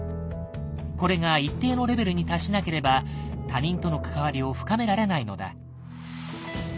これが一定のレベルに達しなければ他人との関わりを深められないのだ。